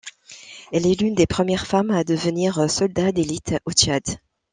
Elle est l'une des premières femmes à devenir soldat d'élite au Tchad.